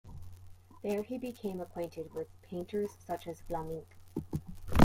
There he became acquainted with painters such as Vlaminck.